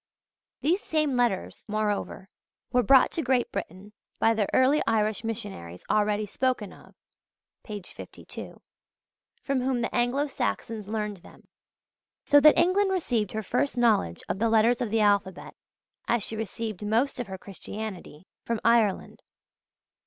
These same letters, moreover, were brought to Great Britain by the early Irish missionaries already spoken of (p. 52), from whom the Anglo Saxons learned them; so that England received her first knowledge of the letters of the alphabet as she received most of her Christianity from Ireland.